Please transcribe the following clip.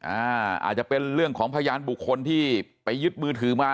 อาจจะเป็นเรื่องของพยานบุคคลที่ไปยึดมือถือมา